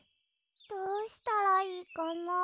どうしたらいいかな？